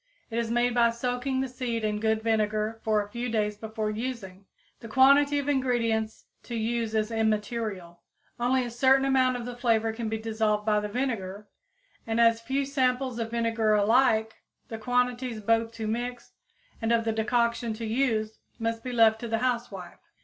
It is made by soaking the seed in good vinegar for a few days before using. The quantity of ingredients to use is immaterial. Only a certain amount of the flavor can be dissolved by the vinegar, and as few samples of vinegar are alike, the quantities both to mix and of the decoction to use must be left to the housewife.